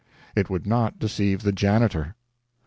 It would not deceive the janitor.